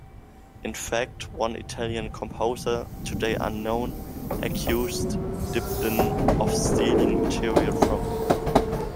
In fact, one Italian composer, today unknown, accused Dibdin of stealing material from him.